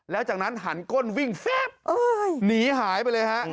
แล้วจากนั้นหันก้นวิ่งแฟบหนีหายไปเลยฮะ